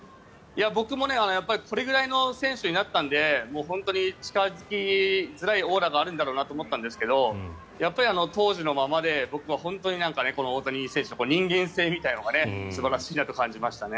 僕もこれぐらいの選手になったので本当に近付きづらいオーラがあるんだろうなと思ったんですがやっぱり当時のままで僕も本当に大谷選手の人間性みたいなのが素晴らしいなと感じましたね。